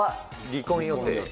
離婚予定。